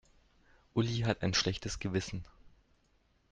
Uli hat ein schlechtes Gewissen.